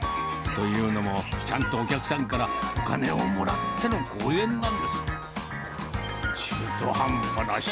というのも、ちゃんとお客さんからお金をもらっての公演なんです。